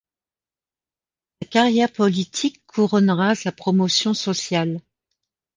Sa carrière politique couronnera sa promotion sociale.